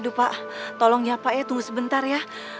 aduh pak tolong ya pak ya tunggu sebentar ya